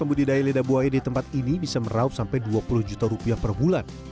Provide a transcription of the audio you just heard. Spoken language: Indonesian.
pembudidaya lidah buaya di tempat ini bisa meraup sampai dua puluh juta rupiah per bulan